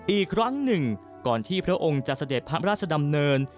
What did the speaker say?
อีกครั้งหนึ่งก่อนที่พระองค์จะเสด็จพระราชดำเนิน